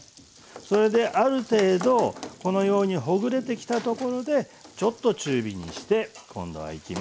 それである程度このようにほぐれてきたところでちょっと中火にして今度はいきます。